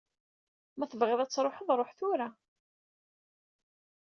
Ma tebɣiḍ ad tṛuḥeḍ, ṛuḥ tura!